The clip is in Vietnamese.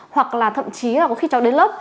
hoặc là thậm chí là có khi cháu đến lớp